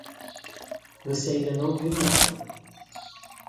Você ainda não viu nada.